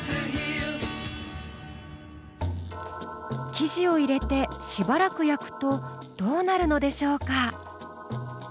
生地を入れてしばらく焼くとどうなるのでしょうか？